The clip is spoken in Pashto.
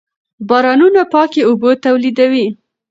بارانونه پاکې اوبه تولیدوي.